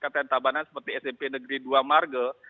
kabupaten tabanan seperti smp negeri dua marge